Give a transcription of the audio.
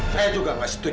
saya juga gak setuju